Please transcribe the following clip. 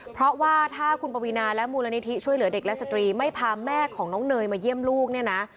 เพราะว่าถ้าคุณปวีนาและมูลนิธิช่วยเหลือเด็กและสตรีไม่พาแม่ของน้องเนยมาเยี่ยมลูกเนี่ยนะ